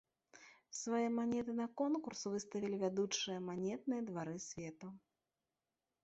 Свае манеты на конкурс выставілі вядучыя манетныя двары свету.